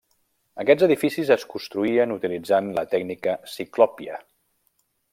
Aquests edificis es construïen utilitzant la tècnica ciclòpia.